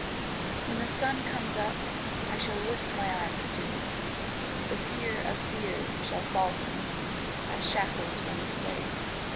_ When the sun comes up I shall lift my arms to it; The fear of fear shall fall from me As shackles from a slave.